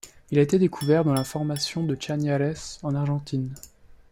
Il a été découvert dans la Formation de Chañares, en Argentine.